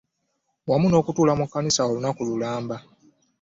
Wamu n'okutuula mu kkanisa olunaku lulamba